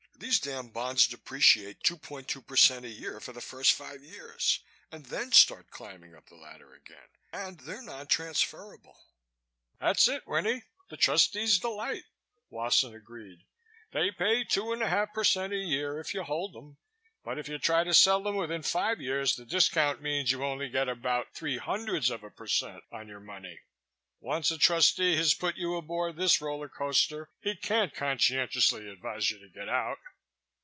"These damn bonds depreciate 2.2% a year for the first five years and then start climbing up the ladder again, and they're non transferable." "That's it, Winnie. The trustee's delight," Wasson agreed. "They pay 2 1/2% a year if you hold them but if you try to sell them within five years the discount means you only get about .03% on your money. Once a trustee has put you aboard this roller coaster, he can't conscientiously advise you to get out."